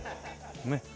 ねっ。